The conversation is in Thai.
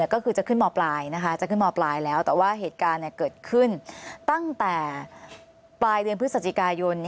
ก็คือจะขึ้นมปลายจะขึ้นมปลายแล้วแต่ว่าเหตุการณ์เกิดขึ้นตั้งแต่ปลายเดือนพฤศจิกายน